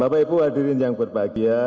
bapak ibu hadirin yang berbahagia